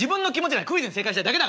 クイズに正解したいだけだから。